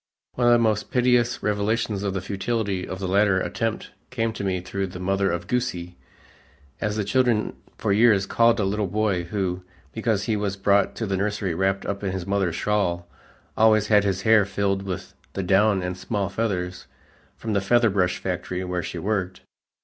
One of the most piteous revelations of the futility of the latter attempt came to me through the mother of "Goosie," as the children for years called a little boy who, because he was brought to the nursery wrapped up in his mother's shawl, always had his hair filled with the down and small feathers from the feather brush factory where she worked.